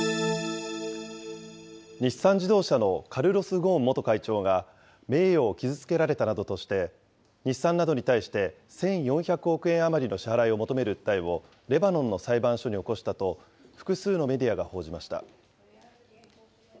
日産自動車のカルロス・ゴーン元会長が名誉を傷つけられたなどとして、日産などに対して、１４００億円余りの支払いを求める訴えをレバノンの裁判所に起こしたと、複数のメディアが報じました。